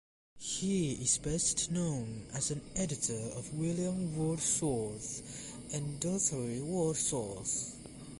He is best known as an editor of William Wordsworth and Dorothy Wordsworth.